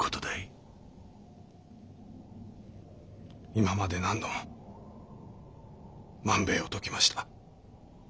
今まで何度も万兵衛を説きました。